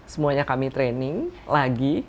semuanya kami training lagi